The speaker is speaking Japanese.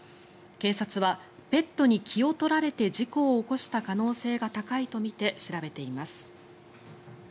警察はペットに気を取られて事故を起こした可能性が高いとみて調べています。